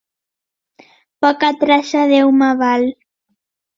Poca traça, Déu me val.